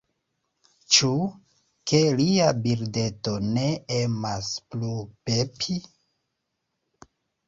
Ĉu, ke lia birdeto ne emas plu pepi?